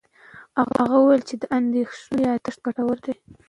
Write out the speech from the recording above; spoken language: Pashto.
هغه وویل چې د اندېښنو یاداښت ګټور دی.